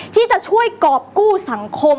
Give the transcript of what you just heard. ที่จะช่วยกรอบกู้สังคม